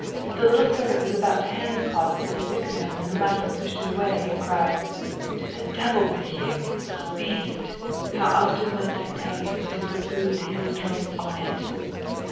The little servant was about to hand the cloth to the sick man when the latter pushed it away, and cried :" To the devil with you, little beast ! How often must I tell you to put eau de heliotrope on it